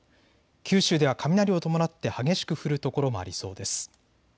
九州では雷を伴って激しく降る所もありそうです。